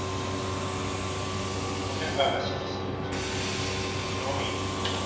ホテル側が指示してきた字がロビーに「花」